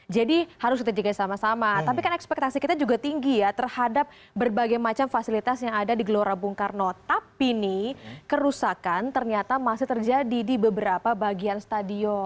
jadi harus kita jaga sama sama tapi kan ekspektasi kita juga tinggi ya terhadap berbagai macam fasilitas yang ada di gelora bung karno tapi nih kerusakan ternyata masih terjadi di beberapa bagian stadion